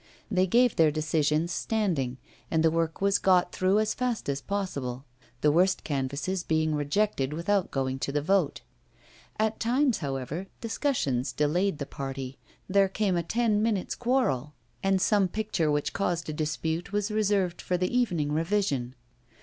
They gave their decisions standing, and the work was got through as fast as possible, the worst canvases being rejected without going to the vote. At times, however, discussions delayed the party, there came a ten minutes' quarrel, and some picture which caused a dispute was reserved for the evening revision.